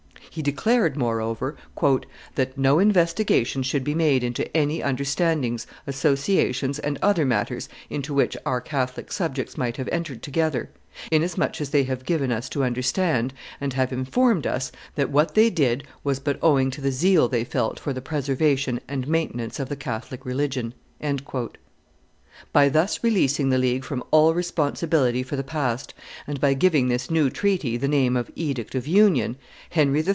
He declared, moreover, "that no investigation should be made into any understandings, associations, and other matters into which our Catholic subjects might have entered together; inasmuch as they have given us to understand and have informed us that what they did was but owing to the zeal they felt for the preservation and maintenance of the Catholic religion." By thus releasing the League from all responsibility for the past, and by giving this new treaty the name of edict of union, Henry III.